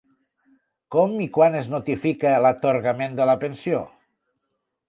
Com i quan es notifica l'atorgament de la pensió?